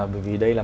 bởi vì đây là